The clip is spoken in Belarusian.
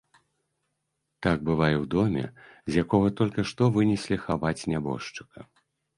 Так бывае ў доме, з якога толькі што вынеслі хаваць нябожчыка.